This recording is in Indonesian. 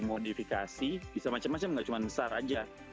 jadi modifikasi bisa macam macam nggak cuma besar aja